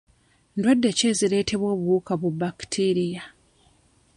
Ndwadde ki ezireetebwa obuwuka bu bakitiiriya?